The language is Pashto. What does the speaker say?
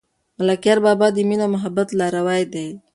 ملکیار بابا د مینې او محبت لاروی دی.